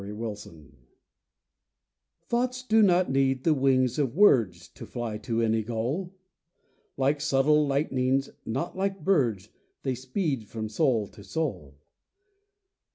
THOUGHTS Thoughts do not need the wings of words To fly to any goal. Like subtle lightnings, not like birds, They speed from soul to soul.